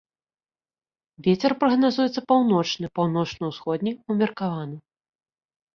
Вецер прагназуецца паўночны, паўночна-ўсходні, умеркаваны.